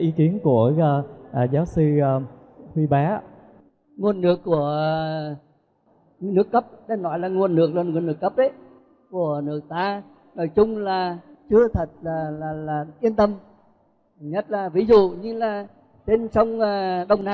ý kiến của các bạn